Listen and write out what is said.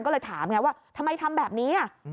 ก็เลยถามไงว่าทำไมทำแบบนี้